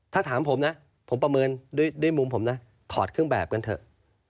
ถ้าถามผมนะผมประเมินด้วยมุมผมนะถอดเครื่องแบบกันเถอะ